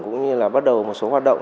cũng như là bắt đầu một số hoạt động